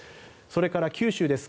それから九州です。